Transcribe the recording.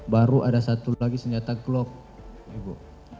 baru ada satu lagi senjata glock ibu